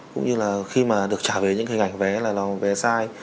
cũng như khi được trả về những hình ảnh vé là vé sai